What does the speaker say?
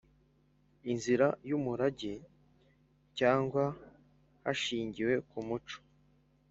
Inzira y’ umurage cyangwa hashingiwe k’ umuco